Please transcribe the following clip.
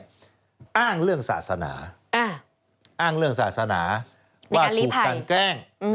อ้างเรื่องศาสนาอ้างเรื่องศาสนาว่าถูกกันแกล้ง